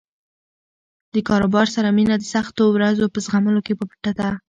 له کاروبار سره مینه د سختو ورځو په زغملو کې پټه ده.